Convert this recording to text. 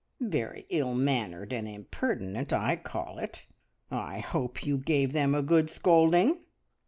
"Very ill mannered and impertinent I call it! I hope you gave them a good scolding?"